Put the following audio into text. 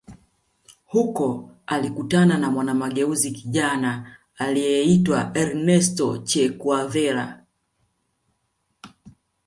Huko alikutana na mwana mageuzi kijana aliyeitwa Ernesto Che Guevara